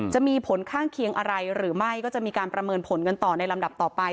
จะมีผลข้างเคียงอะไรหรือไม่ก็จะมีการประเมินผลกันต่อในลำดับต่อไป